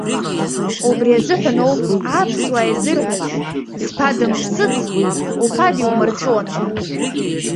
Убри азыҳәаноуп аԥсуаа изырҳәаз зԥа дымԥсыц, уԥа диумырҵәуан ҳәа.